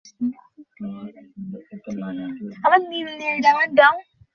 অনুসন্ধানে পুলিশ জানতে পারে অপহৃত শিশুটিকে চাঁপাইনবাবগঞ্জের দেবীনগরে আটকে রাখা হয়েছে।